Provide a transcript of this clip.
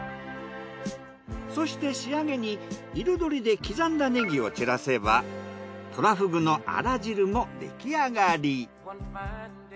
そして仕上げに彩りで刻んだネギを散らせばトラフグのアラ汁も出来上がり。